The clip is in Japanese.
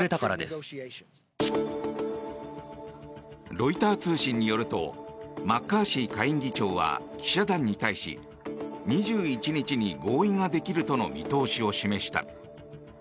ロイター通信によるとマッカーシー下院議長は記者団に対し２１日に合意ができるとの見通しを示した。